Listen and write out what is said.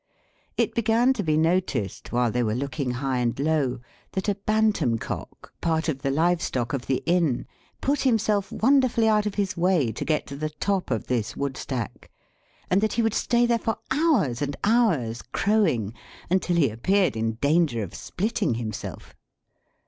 It began to be noticed, while they were looking high and low, that a Bantam cock, part of the live stock of the Inn, put himself wonderfully out of his way to get to the top of this wood stack; and that he would stay there for hours and hours, crowing, until he appeared in danger of splitting himself.